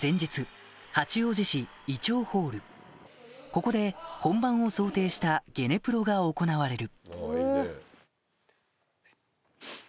ここで本番を想定したゲネプロが行われる